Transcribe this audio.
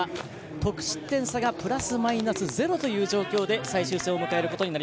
得失点差がプラスマイナスゼロという状況で最終戦を迎えます。